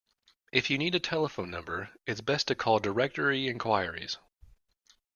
If you need a telephone number, it’s best to call directory enquiries